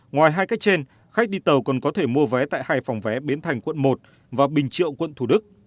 ngoài hai cách trên khách đi tàu còn có thể mua vé tại hai phòng vé biến thành quận một và bình triệu quận thủ đức